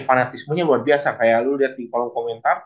fanatismenya luar biasa kayak lu liat di kolom komentar